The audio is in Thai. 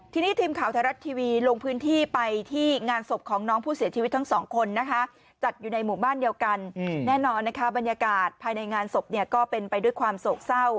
ทีนี้ทีมข่าวไทยรัตน์ทีวีลงพื้นที่ไปที่งานศพของน้องผู้เสียชีวิต